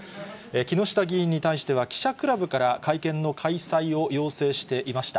木下議員に対しては、記者クラブから会見の開催を要請していました。